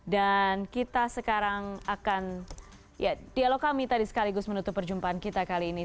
dan kita sekarang akan ya dialog kami tadi sekaligus menutup perjumpaan kita kali ini